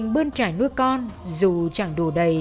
bươn trải nuôi con dù chẳng đủ đầy